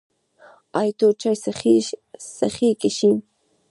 ایا تور چای څښئ که شین؟